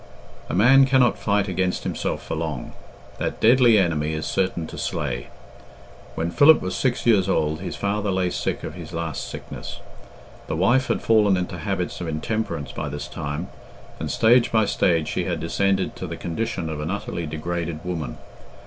A man cannot fight against himself for long. That deadly enemy is certain to slay. When Philip was six years old his father lay sick of his last sickness. The wife had fallen into habits of intemperance by this time, and stage by stage she had descended to the condition of an utterly degraded woman.